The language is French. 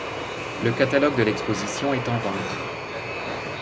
Le catalogue de l'exposition est en vente.